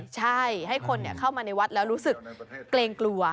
ใช่ให้คนเข้ามาในวัดแล้วรู้สึกเกรงกลัว